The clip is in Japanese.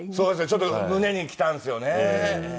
ちょっと胸にきたんですよね。